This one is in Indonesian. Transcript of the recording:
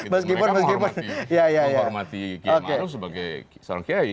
mereka menghormati kiai ma'ruf sebagai seorang kiai